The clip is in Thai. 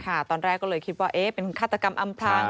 ค่ะตอนแรกก็เลยคิดว่าเป็นฆาตกรรมอำทาง